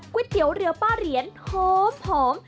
เตี๋ยวเรือป้าเหรียญหอม